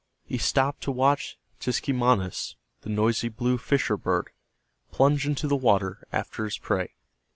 He stopped to watch Tiskemanis, the noisy blue fisher bird, plunge into the water after his prey.